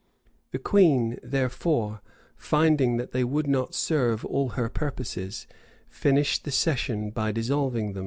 The queen, therefore, finding that they would not serve all her purposes, finished the session by dissolving them.